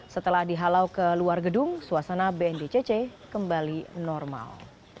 setelah dihalau ke luar gedung suasana bndcc kembali normal